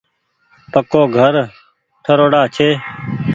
پڪو گھر ٺروڙآ ڇي۔